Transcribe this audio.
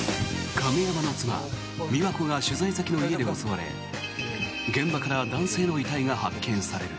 亀山の妻・美和子が取材先の家で襲われ現場から男性の遺体が発見される。